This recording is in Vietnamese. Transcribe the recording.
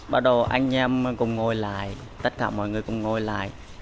bắt đầu anh em cùng ngồi lại tất cả mọi người cùng ngồi lại